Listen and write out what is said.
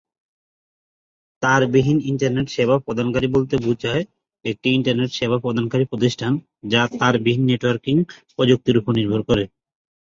তারবিহীন internet সেবা প্রদানকারী বলতে বুঝায়, একটি ইন্টারনেট সেবা প্রদানকারী প্রতিষ্ঠান যা তারবিহীন নেটওয়ার্কিং প্রযুক্তির উপর নির্ভর করে।